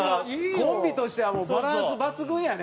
コンビとしてはもうバランス抜群やね。